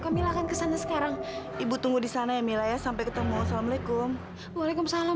kami akan kesana sekarang ibu tunggu di sana ya mila ya sampai ketemu assalamualaikum waalaikumsalam